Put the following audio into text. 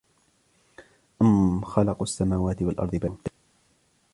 أَمْ خَلَقُوا السَّمَاوَاتِ وَالأَرْضَ بَل لّا يُوقِنُونَ